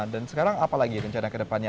dan sekarang apa lagi rencana kedepannya